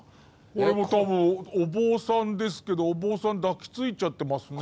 これもたぶんお坊さんですけどお坊さん抱きついちゃってますね。